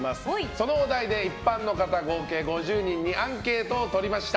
そのお題で一般の方合計５０名にアンケートを取りました。